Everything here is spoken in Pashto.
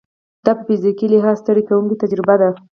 دا په فزیکي لحاظ ستړې کوونکې تجربه ده.